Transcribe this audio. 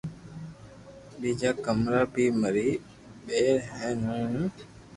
ٻيجا ڪمرا مي مري ٻير ھين ھون ھون